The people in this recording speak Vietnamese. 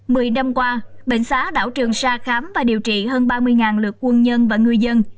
mười năm qua bệnh xã đảo trường sa khám và điều trị hơn ba mươi lượt quân nhân và người dân